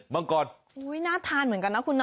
เค้กลิ้นมังกร